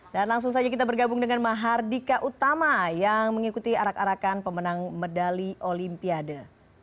dan langsung saja kita bergabung dengan mahardika utama yang mengikuti arak arakan pemenang medali olimpiade